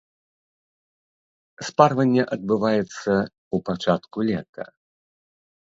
Спарванне адбываецца ў пачатку лета.